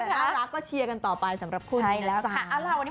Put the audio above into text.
แต่ถ้ารักก็เชียร์กันต่อไปสำหรับคุณใช่แล้วค่ะ